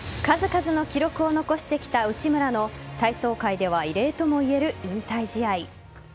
数々の記録を残してきた内村の体操界では異例ともいえる引退試合。